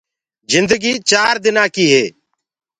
جندگي چآر دنآ ڪي هي